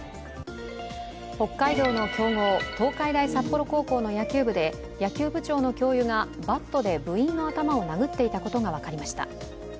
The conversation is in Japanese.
北海道の強豪東海大札幌高校の野球部で野球部長の教諭がバットで部員の頭を殴っていたことが分かりました。